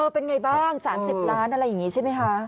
เป็นไงบ้าง๓๐ล้านอะไรอย่างนี้ใช่ไหมคะ